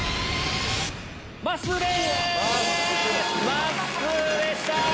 まっすーでした！